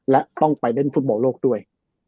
และต้องไปเล่นฟุตบอลโลกด้วย